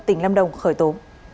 tỉnh lâm đồng khởi tố